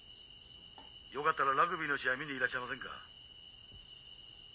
☎よかったらラグビーの試合見にいらっしゃいませんか？